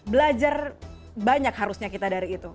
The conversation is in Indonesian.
belajar banyak harusnya kita dari itu